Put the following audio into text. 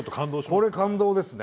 これ感動ですね。